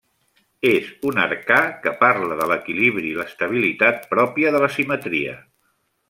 És un arcà que parla de l'equilibri i l'estabilitat pròpia de la simetria.